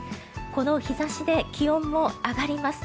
この日差しで気温も上がります。